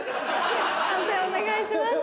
判定お願いします。